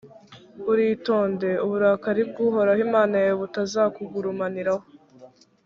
uritonde, uburakari bw’uhoraho imana yawe butazakugurumaniraho,